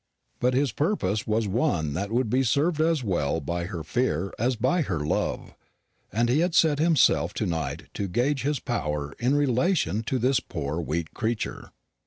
But his purpose was one that would be served as well by her fear as by her love, and he had set himself to night to gauge his power in relation to this poor weak creature.